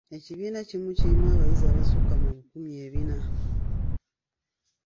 Ekibiina kimu kirimu abayizi abassukka mu bikumi ebina.